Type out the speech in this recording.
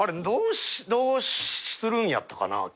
どうするんやったかな？